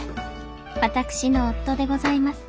私の夫でございます